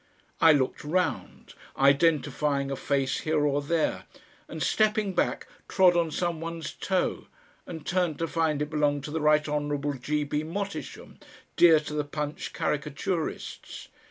I looked round, identifying a face here or there, and stepping back trod on some one's toe, and turned to find it belonged to the Right Hon. G. B. Mottisham, dear to the PUNCH caricaturists.